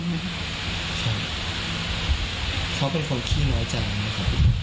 เขาเป็นคนขี้น้อยใจไหมครับ